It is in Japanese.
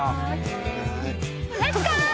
レッツゴー！